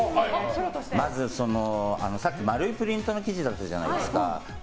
まず、さっき丸いプリントの生地だったじゃないですか。